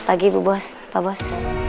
eh pagi ibu bos pak bos